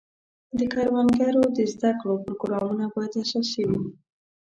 د کروندګرو د زده کړو پروګرامونه باید اساسي وي.